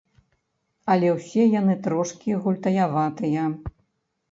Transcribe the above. Але ўсе яны трошкі гультаяватыя.